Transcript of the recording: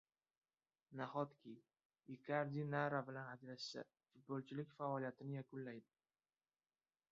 Nahotki! Ikardi Nara bilan ajrashsa, futbolchilik faoliyatini yakunlaydi